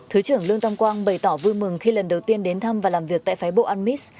thứ trưởng lương tâm quang bày tỏ vui mừng khi lần đầu tiên đến thăm và làm việc tại phái bộ an mis